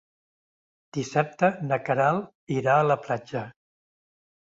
Dissabte na Queralt irà a la platja.